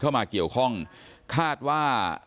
เข้ามาเกี่ยวข้องคาดว่า